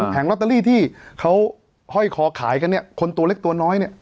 แผงลอตเตอรี่ที่เขาห้อยคอขายกันคนตัวเล็กตัวน้อย